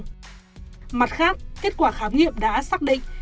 điều khác kết quả khám nghiệm đã xác định